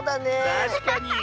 たしかに。